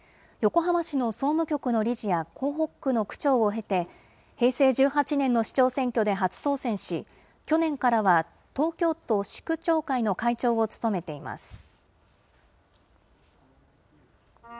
横浜市の総務局の理事や、港北区の区長を経て、平成１８年の市長選挙で初当選し、去年からは東京都市区長会の会長を務めています。